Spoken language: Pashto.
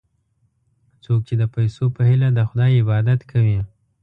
څوک چې د پیسو په هیله د خدای عبادت کوي.